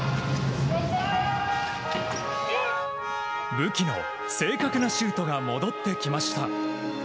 武器の正確なシュートが戻ってきました。